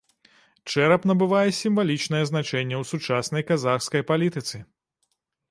Чэрап набывае сімвалічнае значэнне ў сучаснай казахскай палітыцы.